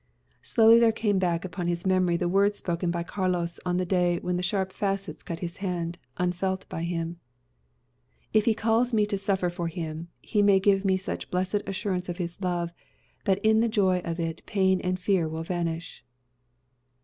Slowly there came back upon his memory the words spoken by Carlos on the day when the sharp facets cut his hand, unfelt by him: "If He calls me to suffer for him, he may give me such blessed assurance of his love, that in the joy of it pain and fear will vanish."